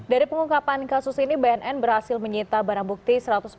dari pengungkapan kasus ini bnn berhasil menyita barang bukti